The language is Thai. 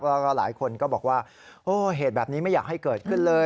แล้วก็หลายคนก็บอกว่าโอ้เหตุแบบนี้ไม่อยากให้เกิดขึ้นเลย